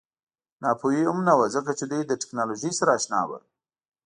ناپوهي هم نه وه ځکه چې دوی له ټکنالوژۍ سره اشنا وو